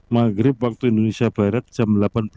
maghrib waktu indonesia barat jam delapan belas